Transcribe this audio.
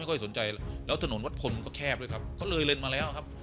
ไม่ค่อยสนใจแล้วถนนวัดพลแคบเลยครับเขาเลยเล่นมาแล้วครับ